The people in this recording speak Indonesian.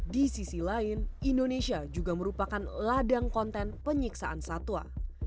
di sisi lain indonesia juga merupakan ladang konten penyiksaan satwa